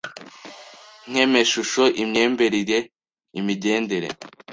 nk’emeshusho, imyemberire, imigendere,